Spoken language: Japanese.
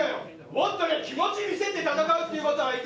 もっと気持ち見せて戦うっていうこと！